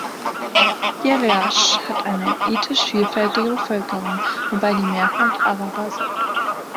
Jerash hat eine ethnisch vielfältige Bevölkerung, wobei die Mehrheit Araber sind.